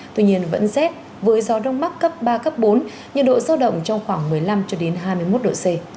tuy nhiên vẫn rét với gió đông bắc cấp ba cấp bốn nhiệt độ giao động trong khoảng một mươi năm hai mươi một độ c